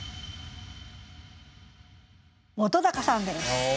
本さんです。